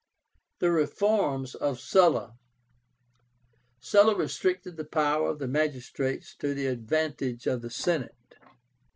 THE REFORMS OF SULLA. Sulla restricted the power of the magistrates to the advantage of the Senate.